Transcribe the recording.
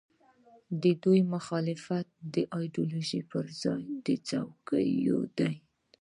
د دوی مخالفت د ایډیالوژۍ پر ځای د څوکیو دی.